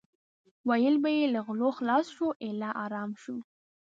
ویل به یې له غلو خلاص شو ایله ارام شو.